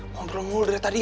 ngomong mulu dari tadi ya